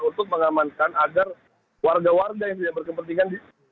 untuk mengamankan agar warga warga yang tidak berkepentingan